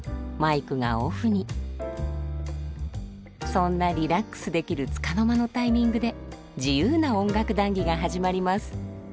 そんなリラックスできるつかの間のタイミングで自由な音楽談議が始まります。